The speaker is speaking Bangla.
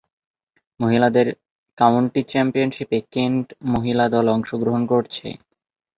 মহিলাদের কাউন্টি চ্যাম্পিয়নশীপে কেন্ট মহিলা দল অংশগ্রহণ করছে।